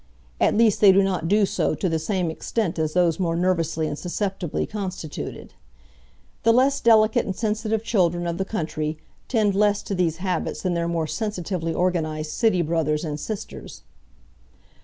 At least they do not do so to the same extent as those more nervously and susceptibly constituted. The less delicate and sensitive children of the country tend less to these habits than their more sensitively organized city brothers and sisters.